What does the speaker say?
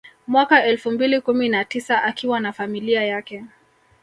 Mwaka elfu mbili kumi na tisa akiwa na familia yake